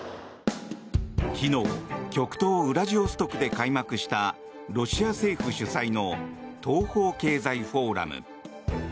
昨日、極東ウラジオストクで開幕したロシア政府主催の東方経済フォーラム。